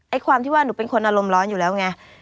ความที่ว่าหนูเป็นคนอารมณ์ร้อนอยู่แล้วไง